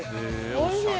おいしい。